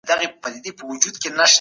تاسي تل د خپل ژوند څخه راضي اوسئ.